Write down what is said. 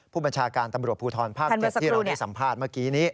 ผู้บัญชาการตำรวจภูทรภาค๗ที่เราได้สัมภาษณ์เมื่อกี้นี้